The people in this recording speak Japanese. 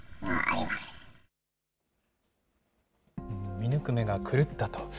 見抜く目が狂ったと。